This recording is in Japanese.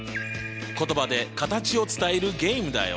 言葉で形を伝えるゲームだよ。